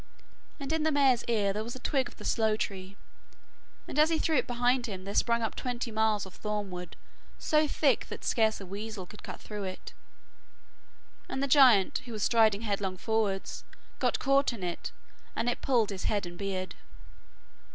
And in the mare's ear there was a twig of sloe tree, and as he threw it behind him there sprung up twenty miles of thornwood so thick that scarce a weasel could go through it. And the giant, who was striding headlong forwards, got caught in it, and it pulled his hair and beard.